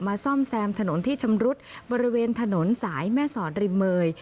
ซ่อมแซมถนนที่ชำรุดบริเวณถนนสายแม่สอดริมเมย